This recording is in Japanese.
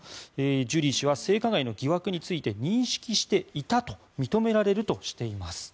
ジュリー氏は性加害の疑惑について認識していたと認められるとしています。